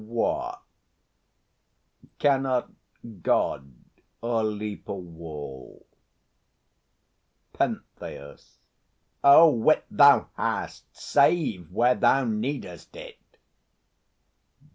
What, cannot God o'erleap a wall? PENTHEUS. Oh, wit thou hast, save where thou needest it!